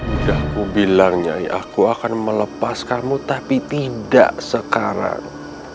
sudah kubilang nyai aku akan melepaskanmu tapi tidak sekarang